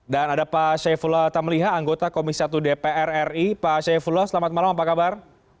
dan ada pak syaifullah tamliha anggota komisi satu dpr ri pak syaifullah selamat malam apa kabar